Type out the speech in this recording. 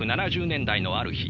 １９７０年代のある日